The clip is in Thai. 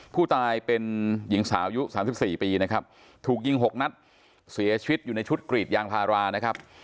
ผู้ตายเป็นหญิงสาวอายุ๓๔ปีนะครับถูกยิง๖นัดเสียชีวิตอยู่ในชุดกรีดยางพารานะครับ